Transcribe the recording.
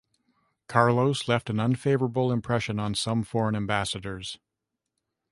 Carlos left an unfavourable impression on some foreign ambassadors.